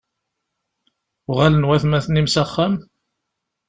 Uɣalen watmaten-im s axxam?